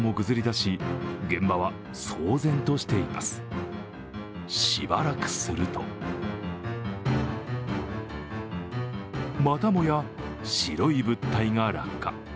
しばらくすると、またもや白い物体が落下。